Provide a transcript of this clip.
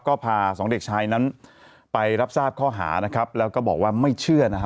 ก็พาสองเด็กชายนั้นไปรับทราบข้อหานะครับแล้วก็บอกว่าไม่เชื่อนะฮะ